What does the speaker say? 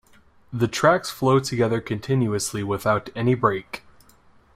The tracks flow together continuously without any break.